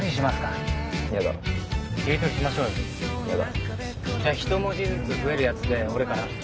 じゃあひと文字ずつ増えるやつで俺から。